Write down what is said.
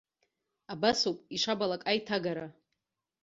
Абасоуп ишабалак аиҭагара.